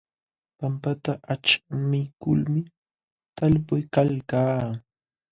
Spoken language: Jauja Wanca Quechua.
Pampata aćhmiykulmi talpuykalkaa.